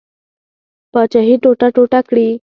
پاچهي ټوټه ټوټه کړي.